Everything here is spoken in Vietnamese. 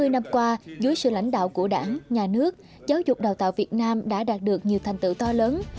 sáu mươi năm qua dưới sự lãnh đạo của đảng nhà nước giáo dục đào tạo việt nam đã đạt được nhiều thành tựu to lớn